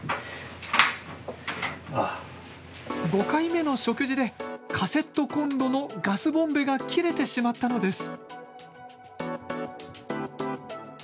５回目の食事でカセットこんろのガスボンベが切れてしまったのです。